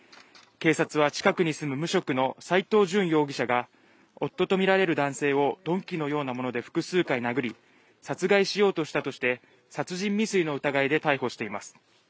警察は近くに住む無職の斎藤淳容疑者が夫とみられる男性を鈍器のようなもので複数回殴り殺害しようとしたとして殺人未遂の疑いで逮捕しています